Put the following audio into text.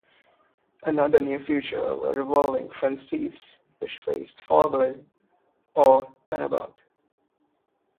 Another new feature were revolving front seats which faced forward or "turn about".